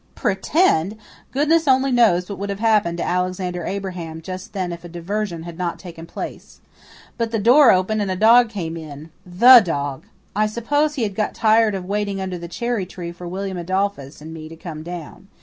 Pretend! Goodness only knows what would have happened to Alexander Abraham just then if a diversion had not taken place. But the door opened and a dog came in THE dog. I suppose he had got tired waiting under the cherry tree for William Adolphus and me to come down.